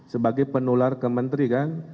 sebagai penular ke menteri kan